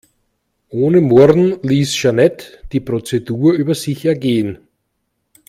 Ohne Murren ließ Jeanette die Prozedur über sich ergehen.